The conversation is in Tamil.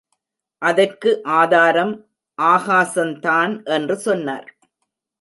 அதற்கு ஆதாரம் ஆகாசந்தான் என்று சொன்னார்.